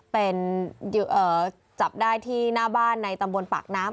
เป็นจับได้ที่หน้าบ้านในตำบลปากน้ำ